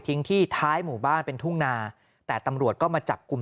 ที่ท้ายหมู่บ้านเป็นทุ่งนาแต่ตำรวจก็มาจับกลุ่ม